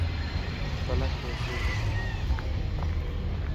پلنگ تي سو.